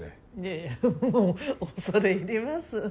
いやもう恐れ入ります。